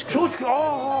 ああ。